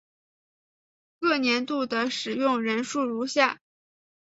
各年度的使用人数如下表。